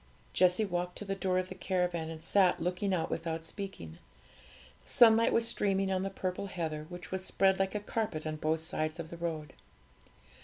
Jessie walked to the door of the caravan, and sat looking out without speaking. The sunlight was streaming on the purple heather, which was spread like a carpet on both sides of the road.